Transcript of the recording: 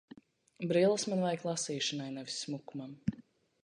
Brilles man vajag lasīšanai, nevis smukumam.